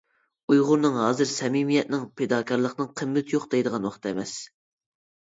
ئۇيغۇرنىڭ ھازىر سەمىمىيەتنىڭ، پىداكارلىقنىڭ قىممىتى يوق دەيدىغان ۋاقتى ئەمەس.